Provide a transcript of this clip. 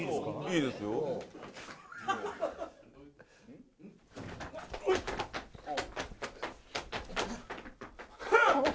いいですよフッ！